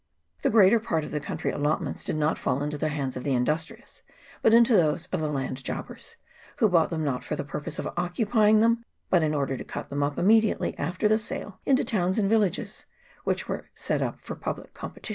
The greater part of the country allotments did not fall into the hands of the industrious, but into those of the land jobbers, who bought them not for the purpose of occupying them, but in order to cut them up, immediately after the sale, into towns and villages, which were put up for public competition.